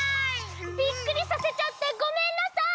ビックリさせちゃってごめんなさい！